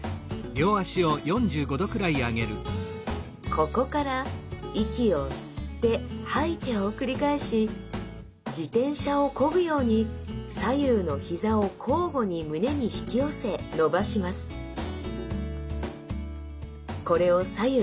ここから息を吸って吐いてを繰り返し自転車をこぐように左右の膝を交互に胸に引き寄せ伸ばしますえできるかな？